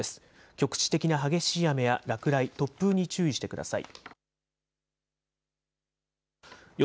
局地的な激しい雨や落雷、突風に注意してください。